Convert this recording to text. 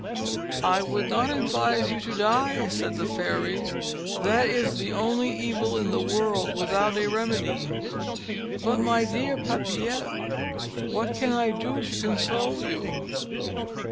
"I would not advise you to die," said the fairy "that is the only evil in the world without a remedy. But, my dear Papillette, what can I do to console you?"